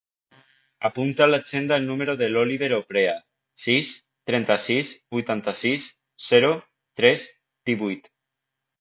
Apunta a l'agenda el número de l'Oliver Oprea: sis, trenta-sis, vuitanta-sis, zero, tres, divuit.